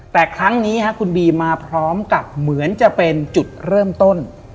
แต่ครั้งนี้คุณบีมาพร้อมกับเหมือนจะเป็นจุดเริ่มต้น